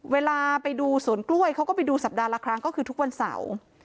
เวลาไปดูสวนกล้วยเขาก็ไปดูสัปดาห์ละครั้งก็คือทุกวันเสาร์